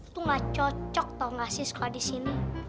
tuh gak cocok tau gak sih sekolah disini